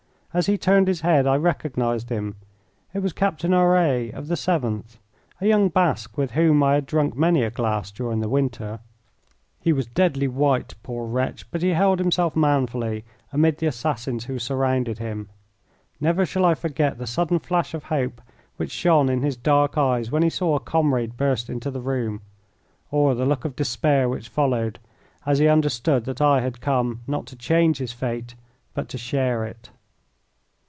As he turned his head I recognised him. It was Captain Auret, of the 7th, a young Basque with whom I had drunk many a glass during the winter. He was deadly white, poor wretch, but he held himself manfully amid the assassins who surrounded him. Never shall I forget the sudden flash of hope which shone in his dark eyes when he saw a comrade burst into the room, or the look of despair which followed as he understood that I had come not to change his fate but to share it.